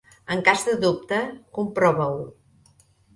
En cas de dubte, comprova-ho.